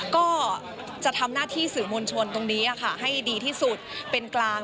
ก็จะทำหน้าที่สื่อมวลชนตรงนี้ให้ดีที่สุดเป็นกลาง